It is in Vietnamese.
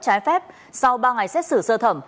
trái phép sau ba ngày xét xử sơ thẩm